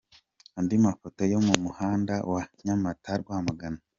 Andi mafoto yo mu muhanda wa Nyamata-Rwamagana.